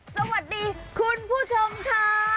สวัสดีคุณผู้ชมค่ะ